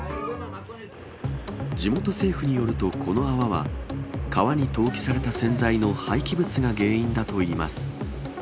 地元政府によると、この泡は、川に投棄された洗剤の廃棄物が原因だといいます。